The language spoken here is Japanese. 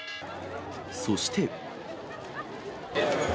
そして。